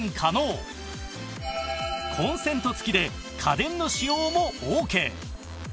コンセント付きで家電の使用もオーケー